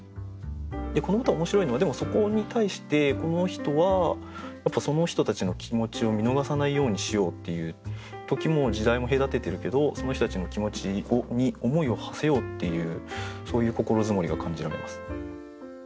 でこの歌面白いのはでもそこに対してこの人はやっぱりその人たちの気持ちを見逃さないようにしようっていう時も時代も隔ててるけどその人たちの気持ちに思いをはせようっていうそういう心積もりが感じられます。